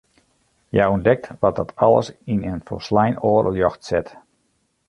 Hja ûntdekt wat dat alles yn in folslein oar ljocht set.